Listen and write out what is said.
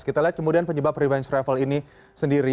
kita lihat kemudian penyebab revenge travel ini sendiri